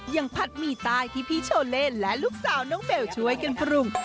ผัดหมี่ใต้ที่พี่โชเล่และลูกสาวน้องเบลช่วยกันปรุง